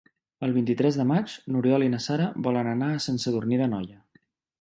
El vint-i-tres de maig n'Oriol i na Sara volen anar a Sant Sadurní d'Anoia.